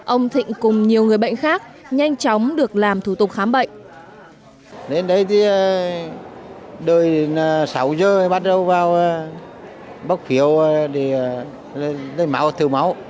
ông thịnh cùng nhiều người bệnh khác nhanh chóng được làm thủ tục khám bệnh